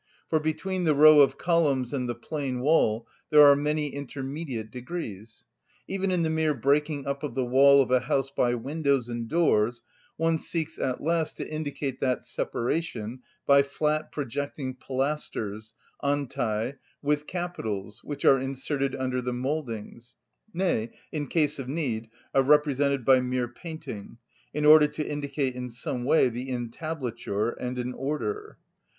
For between the row of columns and the plain wall there are many intermediate degrees. Even in the mere breaking up of the wall of a house by windows and doors one seeks at least to indicate that separation by flat projecting pilasters (antæ) with capitals, which are inserted under the mouldings, nay, in case of need, are represented by mere painting, in order to indicate in some way the entablature and an order.